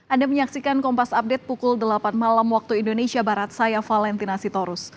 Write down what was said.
anda menyaksikan kompas update pukul delapan malam waktu indonesia barat saya valentina sitorus